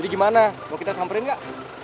jadi gimana mau kita samperin gak